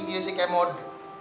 iya sih kayak mode